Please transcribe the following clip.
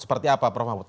seperti apa prof mahfud